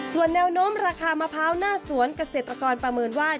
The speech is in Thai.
ส่วนแนวโน้มราคามะพร้าวหน้าสวนเกษตรกรประเมินว่า